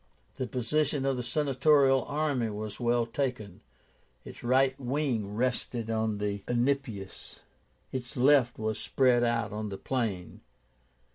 The position of the Senatorial army was well taken. Its right wing rested on the Enipeus, its left was spread out on the plain.